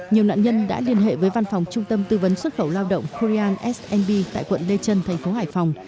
nhiều nạn nhân đã liên hệ với văn phòng trung tâm tư vấn xuất khẩu lao động foryan s bb tại quận lê trân thành phố hải phòng